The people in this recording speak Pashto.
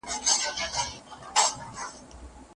هغه استاد چي لارښود وي، باید څېړونکی هم وي.